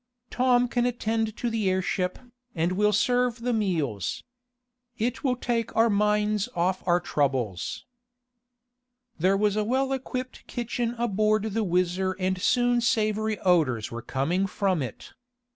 "Tom can attend to the airship, and we'll serve the meals. It will take our minds off our troubles." There was a well equipped kitchen aboard the WHIZZER and soon savory odors were coming from it.